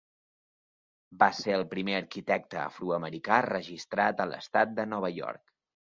Va ser el primer arquitecte afroamericà registrat a l'estat de Nova York.